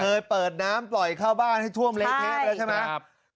เคยเปิดน้ำปล่อยเข้าบ้านให้ท่วมเละเทะไปแล้วใช่ไหม